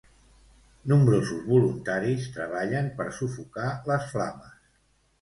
Nombrosos voluntaris treballen per sufocar les flames.